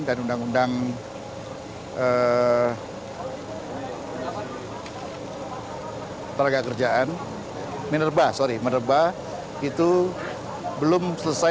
dan undang undang peragakerjaan menerba sorry menerba itu belum selesai